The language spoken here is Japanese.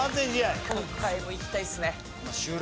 今回も行きたいっすね。